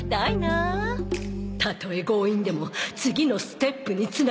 たとえ強引でも次のステップにつなげる！